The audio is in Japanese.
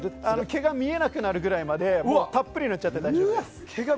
毛が見えなくなるくらいまでたっぷり塗って大丈夫です。